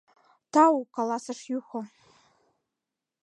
— Тау! — каласыш Юхо.